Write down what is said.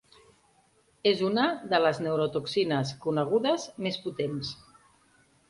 És una de les neurotoxines conegudes més potents.